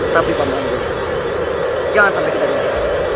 tapi paman jangan sampai kita dapet